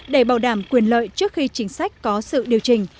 để bảo đảm quyền lợi trước khi chính sách có sự điều chỉnh